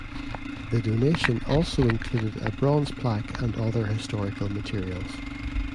The donation also included a bronze plaque and other historical materials.